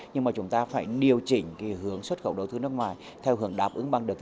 nhưng mà chúng ta phải điều chỉnh hướng xuất khẩu đầu tư nước ngoài theo hướng đáp ứng bằng được